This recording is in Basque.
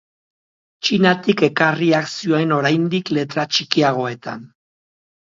Txinatik ekarriak zioen oraindik letra txikiagoetan.